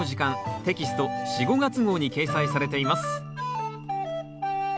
テキスト４・５月号に掲載されています